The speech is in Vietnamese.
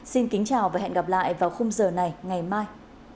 xin kính chào và hẹn gặp lại vào khung giờ này ngày mai